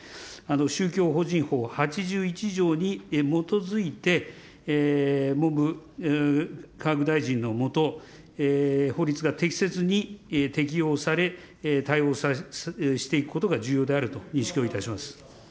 宗教法人法８１条に基づいて文部科学大臣の下、法律が適切に適用され、対応していくことが重要であると認識をいたします。